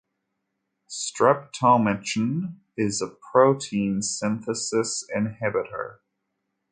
Streptomycin is a protein synthesis inhibitor.